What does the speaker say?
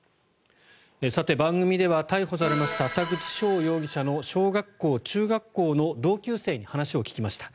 番組では逮捕されました田口翔容疑者の小学校、中学校の同級生に話を聞きました。